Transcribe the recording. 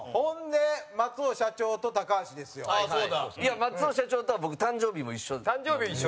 松尾社長とは僕、誕生日も一緒。